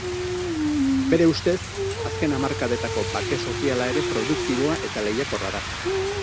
Bere ustez, azken hamarkadetako bake soziala ere produktiboa eta lehiakorra da.